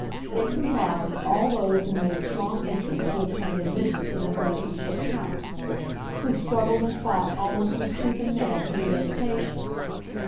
It comprised all those who made strong interest to obtain admittance within her ladyship's house, who struggled and fought almost with tooth and nail to get invitations.